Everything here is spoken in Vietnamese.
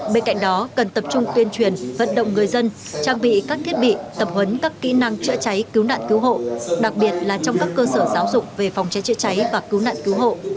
bên cạnh đó cần tập trung tuyên truyền vận động người dân trang bị các thiết bị tập huấn các kỹ năng chữa cháy cứu nạn cứu hộ đặc biệt là trong các cơ sở giáo dục về phòng cháy chữa cháy và cứu nạn cứu hộ